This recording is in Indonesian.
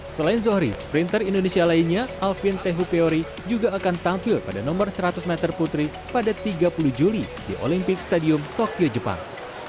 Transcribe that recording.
selain zohri sprinter indonesia lainnya alvin tehupeori juga akan tampil pada nomor seratus meter putri pada tiga puluh juli di olympic stadium tokyo jepang